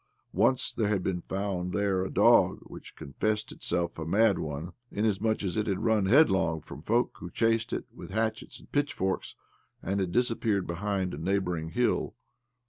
Once there had been found there a dog which confessed itself a mad one, inasmuch as it had run headlong from folk who chased it with hatchets and pitchforks, and had disappeared behind a neighbouring hill.